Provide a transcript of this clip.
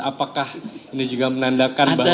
apakah ini juga menandakan bahwa